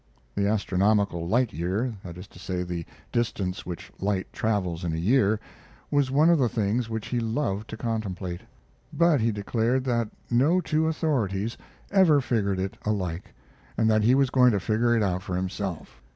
The astronomical light year that is to say, the distance which light travels in a year was one of the things which he loved to contemplate; but he declared that no two authorities ever figured it alike, and that he was going to figure it for himself.